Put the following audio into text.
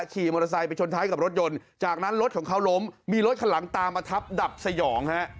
ขี่มอเตอร์ไซค์ไปชนท้ายกับรถยนต์จากนั้นรถของเขาล้มมีรถคันหลังตามมาทับดับสยองฮะ